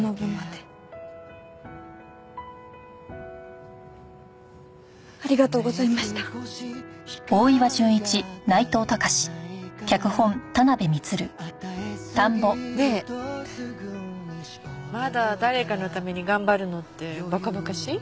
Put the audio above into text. ねえまだ誰かのために頑張るのって馬鹿馬鹿しい？